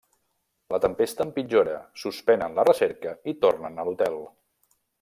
La tempesta empitjora, suspenen la recerca i tornen a l'hotel.